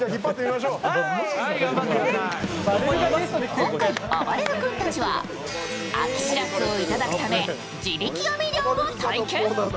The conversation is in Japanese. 今回、あばれる君たちは、秋しらすをいただくため地引き網漁を体験。